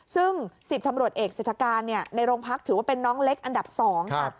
ซึ่ง๑๐ตำรวจเอกเศรษฐการในโรงพักถือว่าเป็นน้องเล็กอันดับ๒ค่ะ